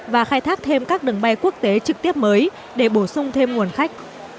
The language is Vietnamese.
và khai thác thêm các đường bay quốc tế trực tiếp mới để bổ sung thêm nguồn khách